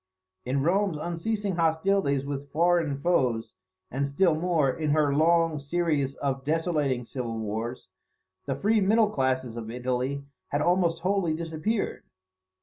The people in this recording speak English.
In Rome's unceasing hostilities with foreign foes, and, still more, in her long series of desolating civil wars, the free middle classes of Italy had almost wholly disappeared.